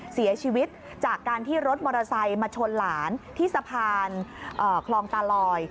เสียชีวิตจากการที่รถมอเตอร์ไซค์มาชนหลานที่สะพานคลองตาลอย